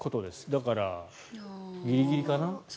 だから、ギリギリかな。